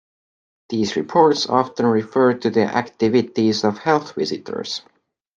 These reports often referred to the activities of health visitors.